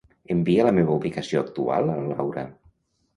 Envia la meva ubicació actual a la Laura.